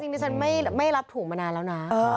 ดิฉันไม่รับถุงมานานแล้วนะ